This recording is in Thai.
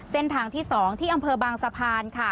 เส้นทางที่๒ที่อำเภอบางสะพานค่ะ